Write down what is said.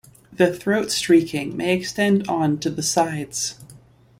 The throat streaking may extend on to the sides.